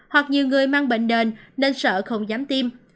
hoặc nhiều người mang bệnh nền nên sợ không dám tiêm